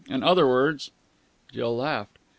In other words...." Jill laughed.